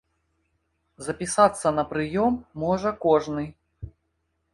Запісацца на прыём можа кожны.